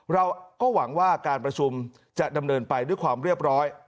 เราก็หวังว่าการประชุมจะดำเนินไปด้วยความเรียบร้อย